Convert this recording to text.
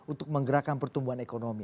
untuk menggerakkan pertumbuhan ekonomi